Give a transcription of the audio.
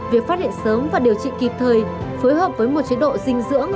việc phát hiện sớm và điều trị kịp thời phối hợp với một chế độ dinh dưỡng